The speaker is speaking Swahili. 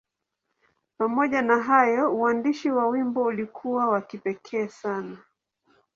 Pamoja na hayo, uandishi wa wimbo ulikuwa wa kipekee sana.